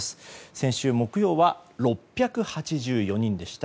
先週木曜は６８４人でした。